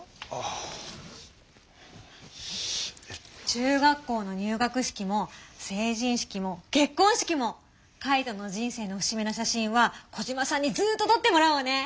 中学校の入学式も成人式も結こん式もカイトの人生の節目の写真はコジマさんにずっととってもらおうね。